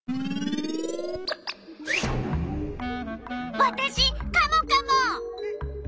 わたしカモカモ！